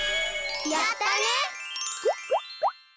やったね！